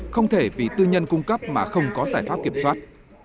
không thể vì tư nhân cung cấp mà không có giải pháp kiểm soát